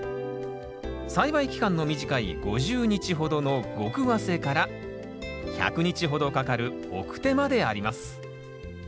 栽培期間の短い５０日ほどの極早生から１００日ほどかかる晩生まであります